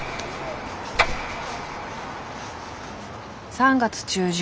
３月中旬。